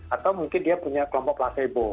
atau mungkin dia punya kelompok placebo